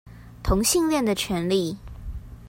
同性戀的權利